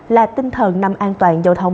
là tinh thần năm an toàn giao thông